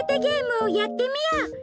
ゲームをやってみよう！